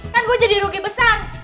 kan gue jadi rugi besar